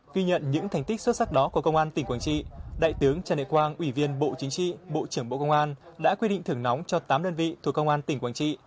ghi nhận những thành tích xuất sắc đó của công an tỉnh quảng trị đại tướng trần đại quang ủy viên bộ chính trị bộ trưởng bộ công an đã quyết định thưởng nóng cho tám đơn vị thuộc công an tỉnh quảng trị